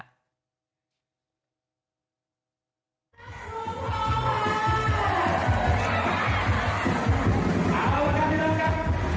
อ่า